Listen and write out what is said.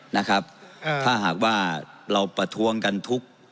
นะครับอ่าถ้าหากว่าเราประท้วงกันทุก